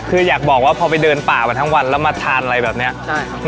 คืออยากบอกว่าพอไปเดินป่ามาทั้งวันแล้วมาทานอะไรแบบเนี้ยใช่ครับ